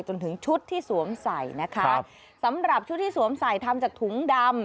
จนถึงชุดที่สวมใส่นะคะสำหรับชุดที่สวมใส่ทำจากถุงดำ